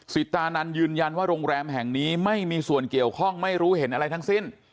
ตานันยืนยันว่าโรงแรมแห่งนี้ไม่มีส่วนเกี่ยวข้องไม่รู้เห็นอะไรทั้งสิ้น